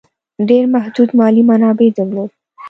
ډېر محدود مالي منابع درلودل.